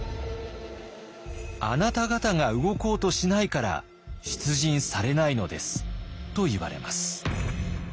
「あなた方が動こうとしないから出陣されないのです」と言われます。